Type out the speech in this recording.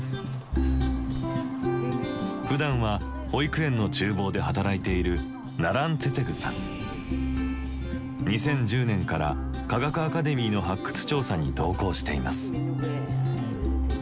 ふだんは保育園の厨房で働いている２０１０年から科学アカデミーの発掘調査に同行しています。